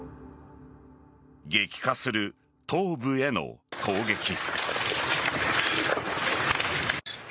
激化する東部への攻撃。